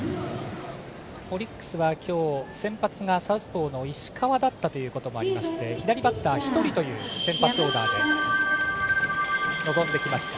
オリックスは今日、相手先発がサウスポーの石川だったということもありまして左バッター１人という先発オーダーで臨んできました。